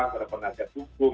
kepada penasihat hukum